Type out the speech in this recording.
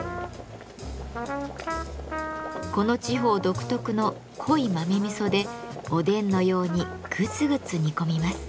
この地方独特の濃い豆味噌でおでんのようにぐつぐつ煮込みます。